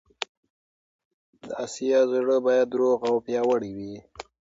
د اسیا زړه باید روغ او پیاوړی وي.